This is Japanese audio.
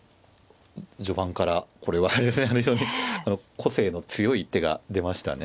序盤からこれはあれですねあの非常に個性の強い一手が出ましたね。